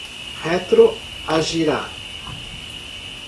retroagirá